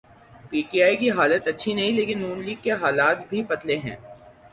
P T I کی حالت اچھی نہیں لیکن نون لیگ کے حالات بھی پتلے ہیں۔